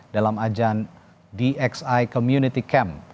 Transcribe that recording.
dalam ajang dxi community camp